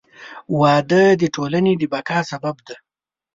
• واده د ټولنې د بقا سبب دی.